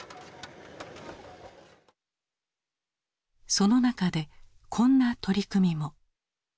その中でこんな取り組みも。